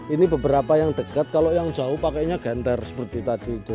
ini beberapa yang dekat kalau yang jauh pakainya genter seperti tadi itu